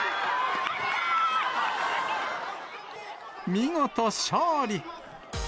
見事勝利。